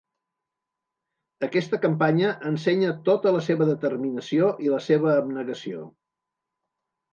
Aquesta campanya ensenya tota la seva determinació i la seva abnegació.